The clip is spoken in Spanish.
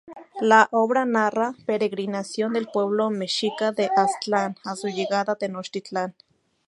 La obra narra la peregrinación del pueblo mexica de Aztlán a su llegada Tenochtitlán.